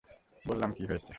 বললাম, কী হয়েছে?